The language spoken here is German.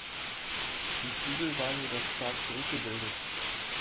Die Flügel waren jedoch stark zurückgebildet.